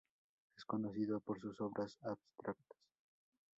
Es conocido por sus obras abstractas.